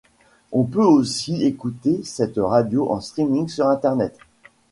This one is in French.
On peut aussi écouter cette radio en streaming sur Internet.